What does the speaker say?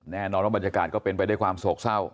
แน่นอนว่าบรรยากาศก็เป็นไปด้วยความโศกเศร้า